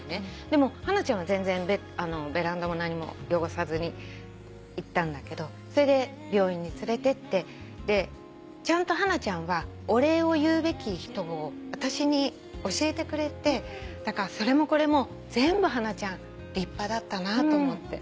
でもハナちゃんは全然ベランダも何も汚さずにいったんだけどそれで病院に連れてってちゃんとハナちゃんはお礼を言うべき人を私に教えてくれてだからそれもこれも全部ハナちゃん立派だったなと思って。